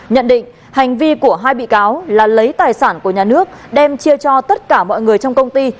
nhận định hành vi của hai bị cáo là lấy tài sản của nhà nước đem chia cho tất cả mọi người trong công ty